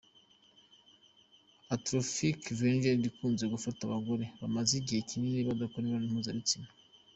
Atrophic vaginitis ikunze gufata abagore bamaze igihe kinini badakora imibonano mpuzabitsina.